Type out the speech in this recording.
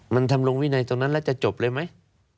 มันทำลงวินัยตรงนั้นแล้วจะจบเลยไหม